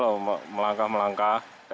halo melangkah melangkah